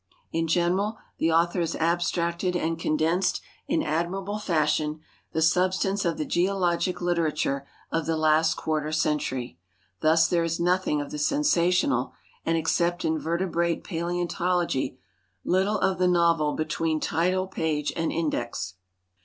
In general, the author has abstracted and condensed in admirable fashion the substance of the geologic litera ture of the last quarter century ; thus there is nothing of the sensational, and except in vertebrate paleontology little of the novel, between title page and index.